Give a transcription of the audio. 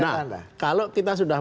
nah kalau kita sudah